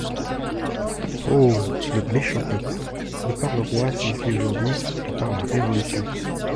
Oh ! le méchant peuple ! De par le Roi signifie aujourd'hui de par la Révolution.